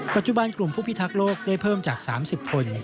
ปัจจุบันกลุ่มผู้พิทักษ์โลกได้เพิ่มจาก๓๐คน